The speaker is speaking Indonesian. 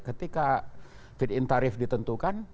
ketika fit in tarif ditentukan